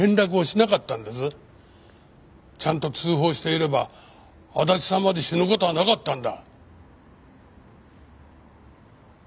ちゃんと通報していれば足立さんまで死ぬ事はなかったんだ。